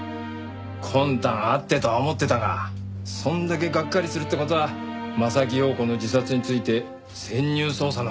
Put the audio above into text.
魂胆あってとは思ってたがそんだけがっかりするって事は柾庸子の自殺について潜入捜査のまね事してたか？